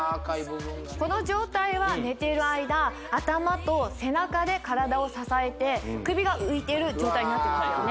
この状態は寝ている間頭と背中で体を支えて首が浮いている状態になってますよね